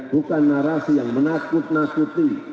bukan narasi yang menakut nakuti